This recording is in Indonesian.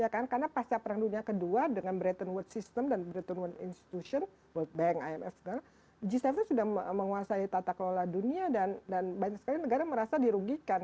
karena pasca perang dunia ke dua dengan bretton woods system dan bretton woods institution world bank imf g tujuh sudah menguasai tatak kelola dunia dan banyak sekali negara merasa dirugikan